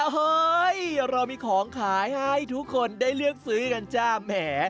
เฮ้ยเรามีของขายให้ทุกคนได้เลือกซื้อกันจ้าแหม